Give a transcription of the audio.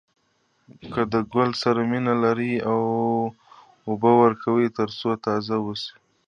که د ګل سره مینه لرئ اوبه ورکوئ تر څو تازه واوسي.